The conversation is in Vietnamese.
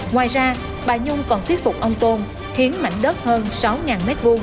ngoài ra bà nhung còn thuyết phục ông tôn khiến mảnh đất hơn sáu m hai